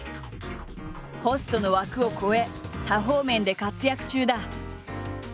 ホストの枠を超え多方面で活躍中だ。